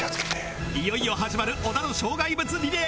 いよいよ始まる小田の障害物リレー